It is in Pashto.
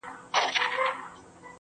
یوه نجلۍ راسي زما په زړه کي غم ساز کړي,